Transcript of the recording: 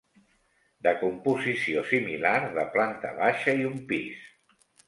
De composició similar, de planta baixa i un pis.